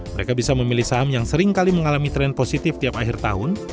mereka bisa memilih saham yang seringkali mengalami tren positif tiap akhir tahun